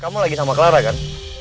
kamu lagi sama clara kan